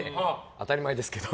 当たり前ですけど。